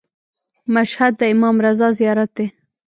مشهد د امام رضا زیارت دی.